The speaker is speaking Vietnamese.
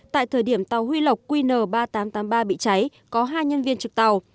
tại thời điểm tàu huy lộc qn ba nghìn tám trăm tám mươi ba bị cháy có hai nhân viên trực tàu